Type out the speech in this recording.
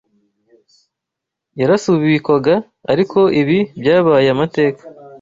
yarasubikwaga ariko ibi byabaye amateka